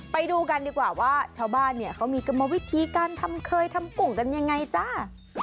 ไปดูกันดีกว่าว่าชาวบ้านเนี่ยเขามีกรรมวิธีการทำเคยทำกุ่งกันยังไงจ้า